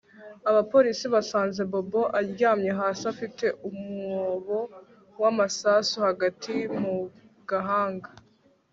Abapolisi basanze Bobo aryamye hasi afite umwobo wamasasu hagati mu gahanga